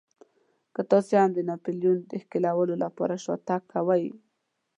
که تاسې هم د ناپلیون د ښکېلولو لپاره شاتګ کوئ.